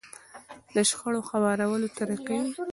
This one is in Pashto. د شخړو هوارولو طريقې.